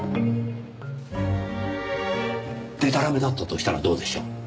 でたらめだったとしたらどうでしょう？